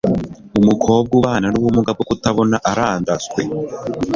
umukobwa ubana n'ubumuga bwo kutabona arandaswe